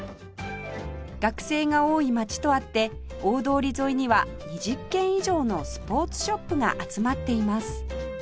学生が多い街とあって大通り沿いには２０軒以上のスポーツショップが集まっています